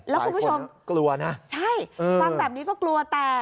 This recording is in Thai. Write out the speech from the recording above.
ลายคนกลัวนะใช่ฟังแบบนี้ก็กลัวแต่